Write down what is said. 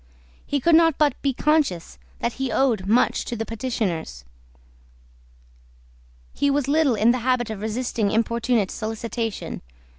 He could not but be conscious that he owed much to the petitioners. He was little in the habit of resisting importunate solicitation.